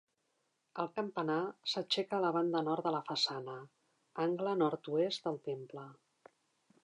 El campanar s'aixeca a la banda nord de la façana, angle nord-oest del temple.